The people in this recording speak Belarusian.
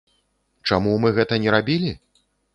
Чаму мы гэта не рабілі?